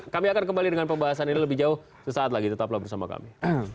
kami akan kembali dengan pembahasan ini lebih jauh sesaat lagi tetaplah bersama kami